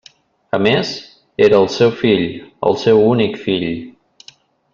A més, era el seu fill, el seu únic fill.